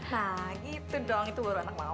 nah gitu dong itu baru anak mau